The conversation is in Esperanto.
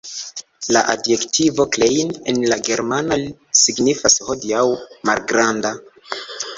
La adjektivo "klein" en la germana signifas hodiaŭ "malgranda".